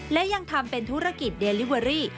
และยังทำเป็นธุรกิจเดลิเวอรี่